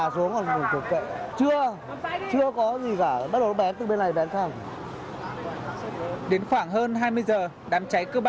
sinh năm một nghìn chín trăm sáu mươi bảy